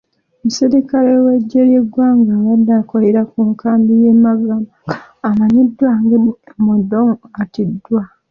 Omusirikale w'eggye ly'eggwanga abadde akolera ku nkambi y'e Magamaga amanyiidwa nga Emodong attiddwa.